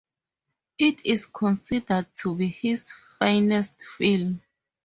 It is considered to be his finest film.